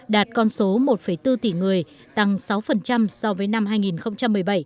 đạt con số một bốn tỷ người tăng sáu so với năm hai nghìn một mươi bảy